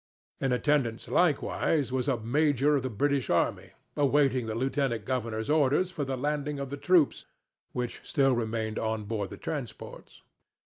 In attendance, likewise, was a major of the British army, awaiting the lieutenant governor's orders for the landing of the troops, which still remained on board the transports.